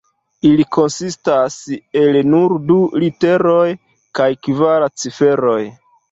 Ili konsistas el nur du literoj kaj kvar ciferoj.